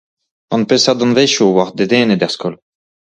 Gant peseurt danvezioù e oac'h dedennet er skol ?